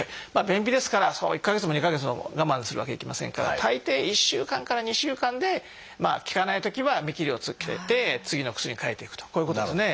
便秘ですから１か月も２か月も我慢するわけにいきませんから大抵１週間から２週間で効かないときは見切りをつけて次の薬に変えていくとこういうことですね。